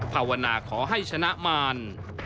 ภาวนาขอให้ชนะมาร